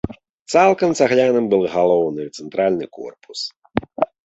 Цалкам цагляным быў галоўны цэнтральны корпус.